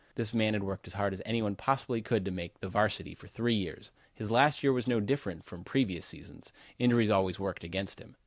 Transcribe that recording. This man had worked as hard as any one possibly could to make the varsity for three years. His last year was no different from previous seasons; injuries always worked against him.